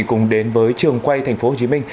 cùng đến với trường quay thành phố hồ chí minh